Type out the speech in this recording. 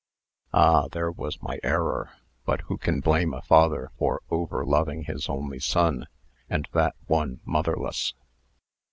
Ah, there was my error; but who can blame a father for over loving his only son, and that one motherless!